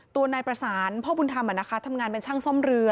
ตัวนายประสานพ่อบุญธรรมทำงานเป็นช่างซ่อมเรือ